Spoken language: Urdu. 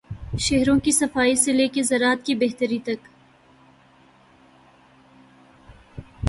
شہروں کی صفائی سے لے کر زراعت کی بہتری تک۔